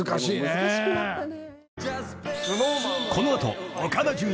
難しくなったね。